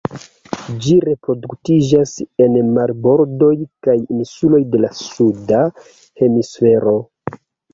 Ĝi reproduktiĝas en marbordoj kaj insuloj de la suda hemisfero.